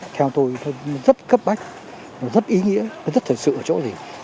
theo tôi rất cấp bách rất ý nghĩa rất thời sự ở chỗ gì